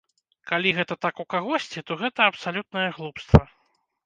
Калі гэта так у кагосьці, то гэта абсалютнае глупства.